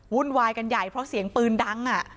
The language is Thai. วุ่นวายกันใหญ่เพราะเสียงปืนดัง